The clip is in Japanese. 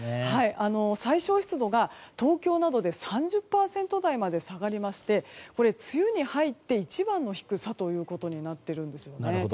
最小湿度が東京などで３０％台まで下がりまして梅雨に入って一番の低さとなっているんですよね。